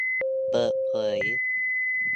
เปิดเผย